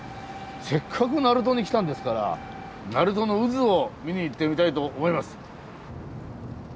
せっかく鳴門に来たんですから鳴門の渦を見に行ってみたいと思います。